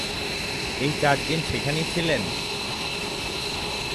এই চার দিন সেখানেই ছিলেন?